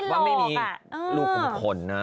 จนไม่มีรูขมขน